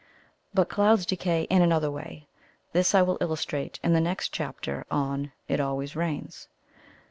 But clouds decay in another way. This I will illustrate in the next chapter on "It always rains."